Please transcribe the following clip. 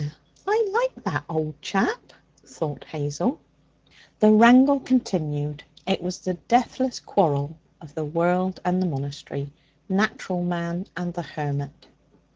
'Eh, I like that old chap,' thought Hazel. The wrangle continued. It was the deathless quarrel of the world and the monastery natural man and the hermit.